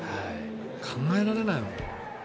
考えられない。